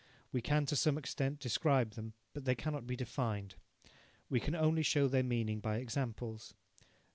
We can, to some extent, describe them, but they cannot be defined. We can only show their meaning by examples.